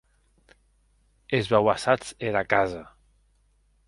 Esbauaçatz era casa.